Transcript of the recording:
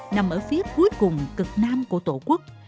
nằm ở phía cuối cùng cực nam của tổ quốc